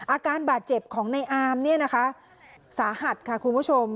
อาการบาดเจ็บของในอามเนี่ยนะคะสาหัสค่ะคุณผู้ชม